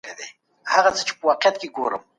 د ارغنداب سیند فضا سړه او خوږه وي.